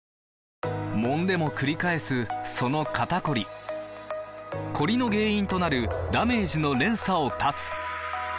もんでもくり返すその肩こりコリの原因となるダメージの連鎖を断つ！